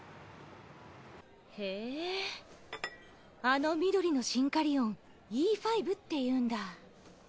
へぇあの緑のシンカリオンＥ５っていうんだ。